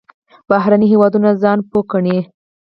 بهرني هېوادونه ځان پوه ګڼي.